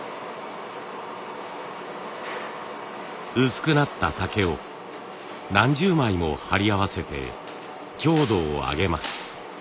薄くなった竹を何十枚も貼り合わせて強度を上げます。